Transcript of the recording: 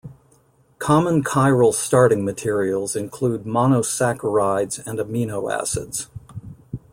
Common chiral starting materials include monosaccharides and amino acids.